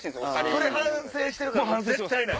それ反省してるから絶対ない？